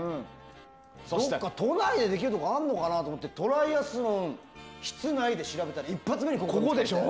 どこか都内でできるところあるのかなと思って調べたらトライアスロン都内で調べたら一発目にここが出てきて。